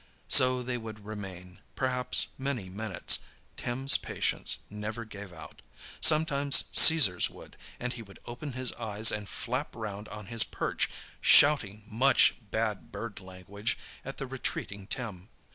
So they would remain, perhaps many minutes. Tim's patience never gave out. Sometimes Caesar's would, and he would open his eyes and flap round on his perch, shouting much bad bird language at the retreating Tim.